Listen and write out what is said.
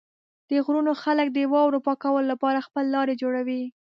د غرونو خلک د واورو پاکولو لپاره خپل لارې جوړوي.